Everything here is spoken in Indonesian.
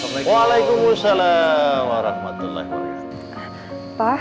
waalaikumsalam warahmatullahi wabarakatuh